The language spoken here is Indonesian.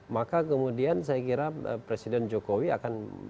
maka kemudian saya kira presiden jokowi akan